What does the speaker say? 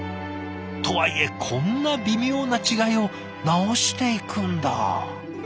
とはいえこんな微妙な違いを直していくんだ。